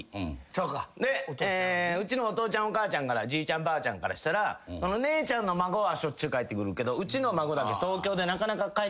うちのお父ちゃんお母ちゃんじいちゃんばあちゃんからしたら姉ちゃんの孫はしょっちゅう帰ってくるけどうちの孫だけ東京でなかなか帰ってこない。